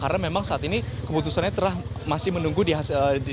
karena memang saat ini keputusannya masih menunggu dikonsumsi